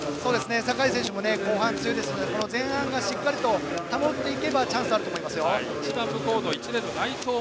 坂井選手も後半、強いですので前半がしっかりと保っていけばチャンスがあると思います。